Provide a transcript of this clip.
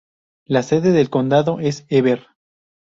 La sede del condado es Heber.